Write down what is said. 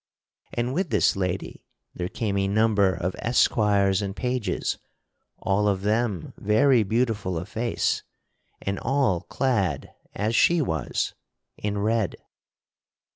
And with this lady there came a number of esquires and pages, all of them very beautiful of face, and all clad, as she was, in red.